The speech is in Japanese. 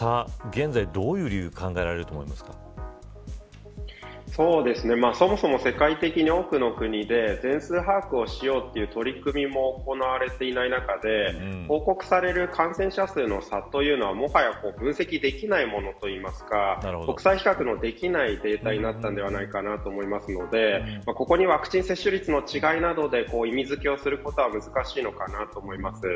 現在どういう理由がそもそも世界的に多くの国で全数把握をしようという取り組みも行われていない中で報告される感染者数の差というのはもはや分析できないものといいますか国際比較のできないデータになったのではないかと思いますのでここにワクチン接種率の違いなどで意味づけをすることは難しいのかなと思います。